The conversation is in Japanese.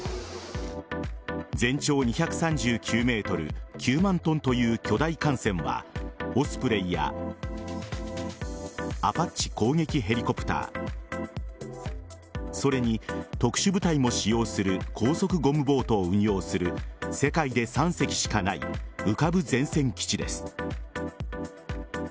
全長２３９ｍ９万ｔという巨大艦船はオスプレイやアパッチ攻撃ヘリコプターそれに特殊部隊も使用する高速ゴムボートを運用する世界で３隻しかない浮かぶ前線基地です。